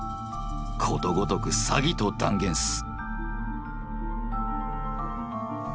ことごとく詐欺と断言す」。